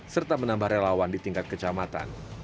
serta menambah relawan di tingkat kecamatan